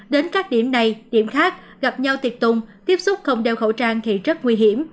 đến các điểm này điểm khác gặp nhau tiệc tùng tiếp xúc không đeo khẩu trang thì rất nguy hiểm